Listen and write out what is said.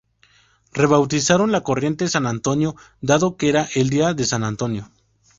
Rebautizaron la corriente "San Antonio", dado que era el día de San Antonio.